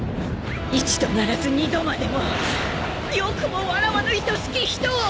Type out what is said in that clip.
一度ならず二度までもよくもわらわのいとしき人を！